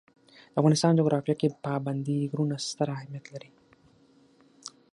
د افغانستان جغرافیه کې پابندی غرونه ستر اهمیت لري.